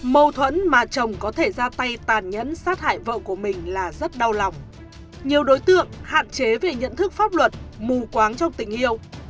mâu thuẫn mà chồng có thể ra tay tàn nhẫn sát hại vợ của mình là rất đau lòng nhiều đối tượng hạn chế về nhận thức pháp luật mù quáng trong tình yêu